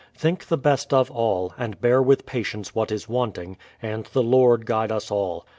Think the best of all, and bear with patience what is wanting, and the Lord guide us all.